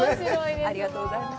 ありがとうございます。